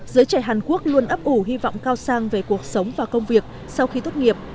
giới trẻ hàn quốc luôn ấp ủ hy vọng cao sang về cuộc sống và công việc sau khi tốt nghiệp